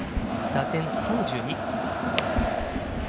打点３２。